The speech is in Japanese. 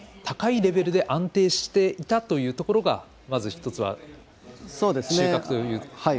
高いレベルで安定していたというところがまず１つは収穫と。